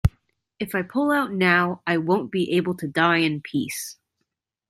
If I pull out now, I won't be able to die in peace.